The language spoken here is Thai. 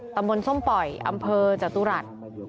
ตำบลส้มป่อยอำเภอจตุรัส